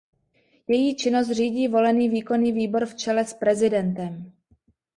Její činnost řídí volený výkonný výbor v čele s prezidentem.